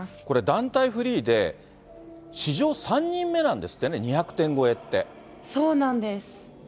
これ、団体フリーで史上３人目なんですってね、そうなんです。